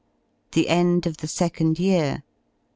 §The end of the second year.